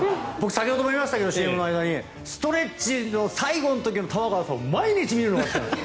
先ほども言いましたけどＣＭの間にストレッチの最後の時の玉川さんを毎日見ている。